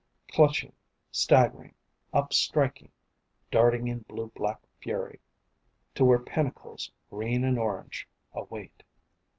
Clutching, staggering, upstriking, Darting in blue black fury, To where pinnacles, green and orange, Await.